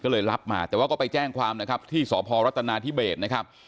ก็เลยรับมาแต่ว่าก็ไปแจ้งความนะครับที่สพรัฐนาธิเบสนะครับ